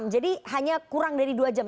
jadi hanya kurang dari dua jam